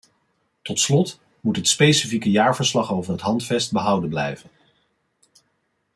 Tot slot moet het specifieke jaarverslag over het handvest behouden blijven.